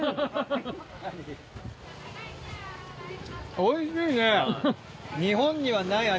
おいしい！